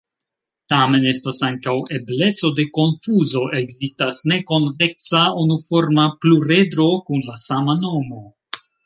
Tamen estas ankaŭ ebleco de konfuzo: ekzistas nekonveksa unuforma pluredro kun la sama nomo.